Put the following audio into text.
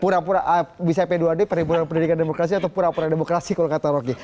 pura pura bisa p dua d perhimpunan pendidikan demokrasi atau pura pura demokrasi kalau kata rocky